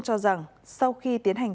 cho rằng sau khi tiến hành